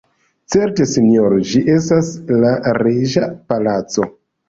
Certe sinjoro, ĝi estas la reĝa palaco.